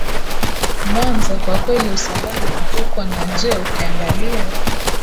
mwanza kwa kweli usalama uko na je ukiangalia